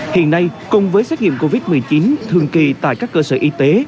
hiện nay cùng với xét nghiệm covid một mươi chín thường kỳ tại các cơ sở y tế